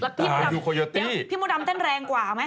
พี่มดดำพี่มดดำเต้นแรงกว่าไหม